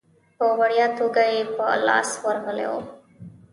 په وړیا توګه یې په لاس ورغلی وو.